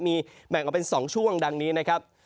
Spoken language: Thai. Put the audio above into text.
มีแบ่งออกเป็น๒ช่วงดังนี้นะครับ